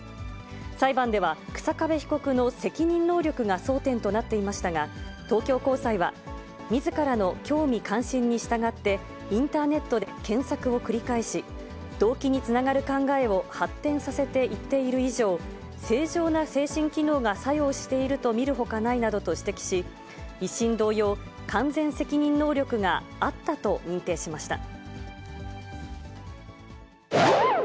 裁判では日下部被告の責任能力が争点となっていましたが、東京高裁はみずからの興味・関心に従って、インターネットで検索を繰り返し、動機につながる考えを発展させていっている以上、正常な精神機能が作用していると見るほかないなどと指摘し、１審同様、完全責任能力があったと認定しました。